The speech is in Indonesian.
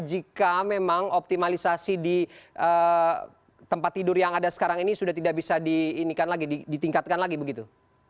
jika memang optimalisasi di tempat tidur yang ada sekarang ini sudah tidak bisa ditingkatkan lagi begitu